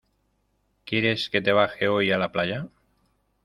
¿ quieres que te baje hoy a la playa?